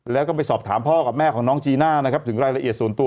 แล้วก็ไปสอบถามพ่อกับแม่ของน้องจีน่านะครับถึงรายละเอียดส่วนตัว